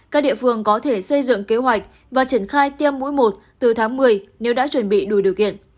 các địa phương có thể xây dựng kế hoạch và triển khai tiêm mũi một từ tháng một mươi nếu đã chuẩn bị đủ điều kiện